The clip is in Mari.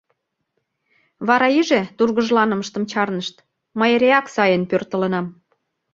Вара иже тургыжланымыштым чарнышт: мый эреак сайын пӧртылынам.